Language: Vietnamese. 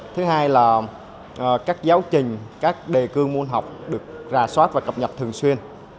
thứ hai là các giáo trình các đề cương môn học được rà soát và cập nhật thường xuyên